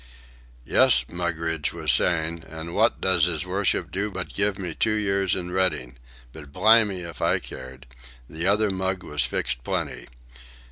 "Yes," Mugridge was saying, "an' wot does 'is worship do but give me two years in Reading. But blimey if I cared. The other mug was fixed plenty.